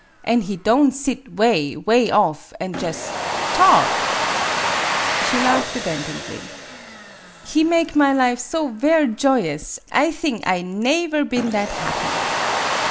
An' he don' sit 'way, 'way off, an' jus' talk !" She laughed abandonedly. " He make my life so ver' joyous, I thing I naever been that happy."